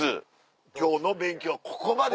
今日の勉強はここまで！